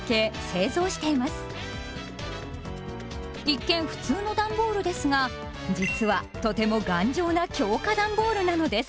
一見普通のダンボールですが実はとても頑丈な強化ダンボールなのです。